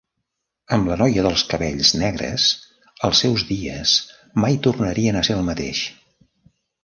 Amb la noia de cabells negres, els seus dies mai tornarien a ser el mateix.